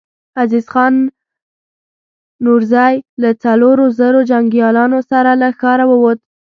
عزيز خان نورزی له څلورو زرو جنګياليو سره له ښاره ووت.